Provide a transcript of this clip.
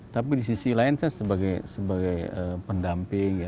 tapi di sisi lain saya sebagai pendamping ya